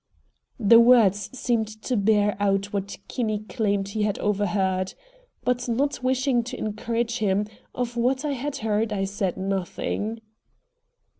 The words seemed to bear out what Kinney claimed he had overheard. But not wishing to encourage him, of what I had heard I said nothing.